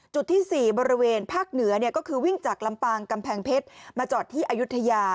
จุดที่๔บริเวณภาคเหนือก็คือวิ่งจากลำปางกำแพงเพชรมาจอดที่อายุทยา